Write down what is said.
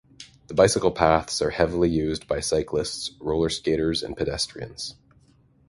The bicycle paths are heavily used by cyclists, roller skaters and pedestrians.